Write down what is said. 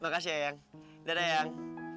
makasih ya yang dadah yang